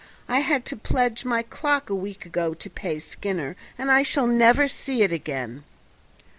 I had to pledge my clock a week ago to pay Skinner, and I shall never see it again."